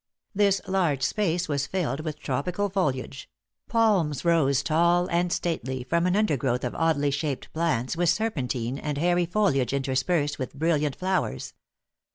This large space was filled with tropical foliage; palms rose tall and stately from an undergrowth of oddly shaped plants with serpentine and hairy foliage interspersed with brilliant flowers.